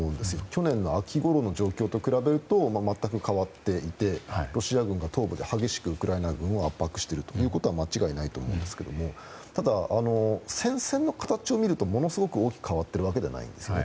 去年の秋ごろの状況と比べると全く変わっていてロシア軍が東部で激しくウクライナ軍を圧迫しているのは間違いないと思うんですがただ、戦線の形を見るとものすごく大きく変わっているわけではないんですね。